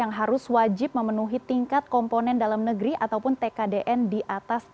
yang harus wajib memenuhi tingkat komponen dalam negeri ataupun tkdn di atas